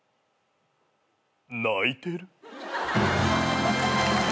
泣いてる？